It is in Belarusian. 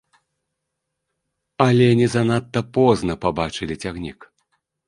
Алені занадта позна пабачылі цягнік.